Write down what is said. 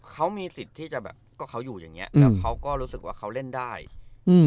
เขามีสิทธิ์ที่จะแบบก็เขาอยู่อย่างเงี้ยแล้วเขาก็รู้สึกว่าเขาเล่นได้อืม